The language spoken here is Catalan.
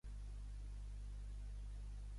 El meu nom és Ibrahim: i, be, erra, a, hac, i, ema.